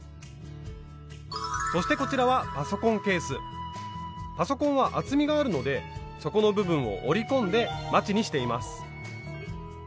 そしてこちらはパソコンは厚みがあるので底の部分を折り込んでまちにしています。